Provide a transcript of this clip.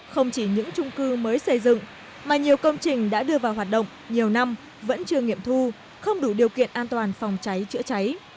không chỉ những trung cư mới xây dựng mà nhiều công trình đã đưa vào hoạt động nhiều năm vẫn chưa nghiệm thu không đủ điều kiện an toàn phòng cháy chữa cháy